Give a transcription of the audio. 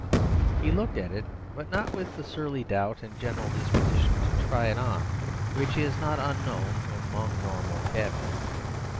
He looked at it, but not with the surly doubt and general disposition to try it on which is not unknown among normal cabmen.